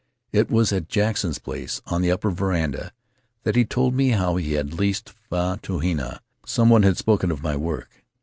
It was at Jackson's place, on the upper veranda, that he told me how he had leased Fatuhina; some one had spoken of my work.